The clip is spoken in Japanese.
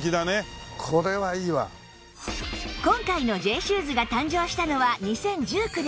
今回の Ｊ シューズが誕生したのは２０１９年